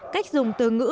cách dùng từ ngữ